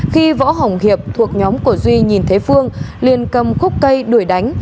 khi võ hồng hiệp thuộc nhóm của duy nhìn thấy phương liền cầm khúc cây đuổi đánh